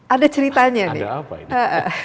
ada ceritanya nih